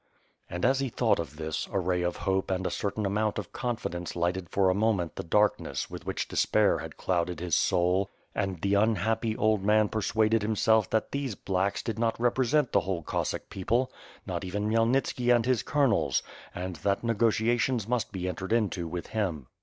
And as he thought of this, a ray of hope and a certain amount of confidence lightened for a moment the darkness with which despair had clouded his soul, and the unhappy old man persuaded himself that these '^blacks" did not represent the whole Cossack people, not even Khmyelnitski and his colonels, and that negotiations must be entered into with him.